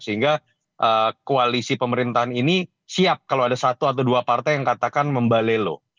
sehingga koalisi pemerintahan ini siap kalau ada satu atau dua partai yang katakan membalelo